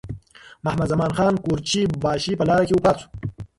محمدزمان خان قورچي باشي په لاره کې وفات شو.